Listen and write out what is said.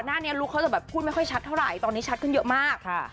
หน้านี้ลุคเขาจะแบบพูดไม่ค่อยชัดเท่าไหร่ตอนนี้ชัดขึ้นเยอะมากค่ะ